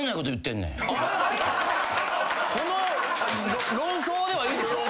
この論争ではいいでしょ。